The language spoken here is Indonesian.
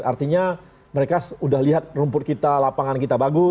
artinya mereka sudah lihat rumput kita lapangan kita bagus